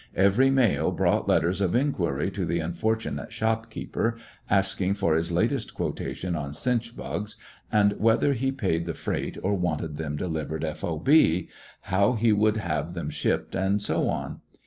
Every mail brought letters of in quiry to the unfortunate shopkeeper, asking for his latest quotation on chinch bugs, and whether he paid the freight or wanted them delivered F. O. B., how he would have them shipped, and so on.